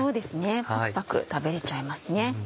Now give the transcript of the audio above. パクパク食べれちゃいますね。